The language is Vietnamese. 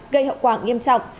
gây hậu quả nghiêm trọng